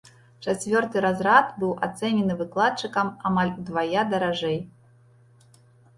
Чацвёрты разрад быў ацэнены выкладчыкам амаль удвая даражэй.